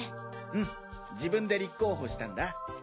うん自分で立候補したんだ。